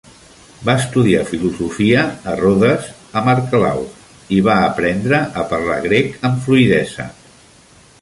Va estudiar filosofia a Rhodes amb Arquelau i va aprendre a parlar grec amb fluïdesa.